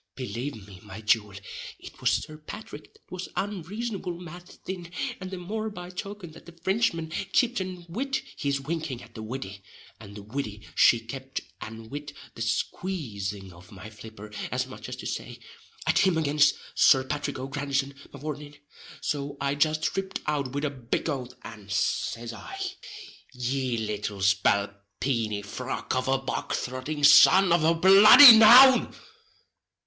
Belave me, my jewel, it was Sir Pathrick that was unreasonable mad thin, and the more by token that the Frinchman kipt an wid his winking at the widdy; and the widdy she kept an wid the squazing of my flipper, as much as to say, "At him again, Sir Pathrick O'Grandison, mavourneen:" so I just ripped out wid a big oath, and says I: "Ye little spalpeeny frog of a bog throtting son of a bloody noun!"